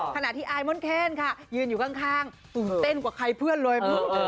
ขณะที่อายม่อนแคนค่ะยืนอยู่ข้างตื่นเต้นกว่าใครเพื่อนเลย